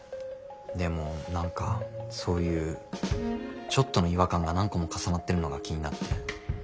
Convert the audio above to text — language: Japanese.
でも何かそういうちょっとの違和感が何個も重なってるのが気になって。